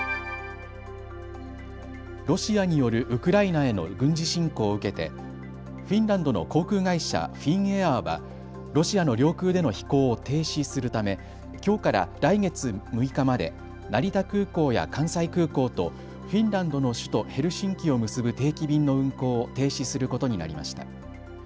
ロシアによるウクライナへの軍事侵攻を受けて、フィンランドの航空会社フィンエアーはロシアの領空での飛行を停止するため、きょうから来月６日まで成田空港や関西空港とフィンランドの首都ヘルシンキを結ぶ定期便の運航を停止することになりました。